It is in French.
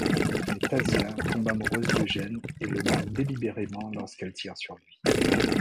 Mais Tasia tombe amoureuse d'Eugen et le manque délibérément lorsqu'elle tire sur lui.